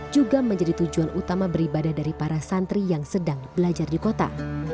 juga menjadi tujuan utama beribadah dari para santri yang sedang belajar di kota